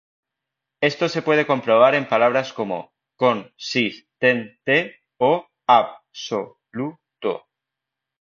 Esto se puede comprobar en palabras como con-sis-ten-te o ab-so-lu-to.